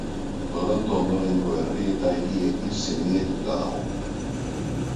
Toronto ondorengo herri eta hiriekin senidetuta dago.